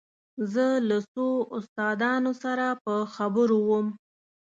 زه له څو استادانو سره په خبرو وم.